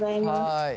はい。